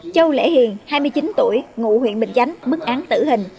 châu lễ hiền hai mươi chín tuổi ngụ huyện bình chánh mức án tử hình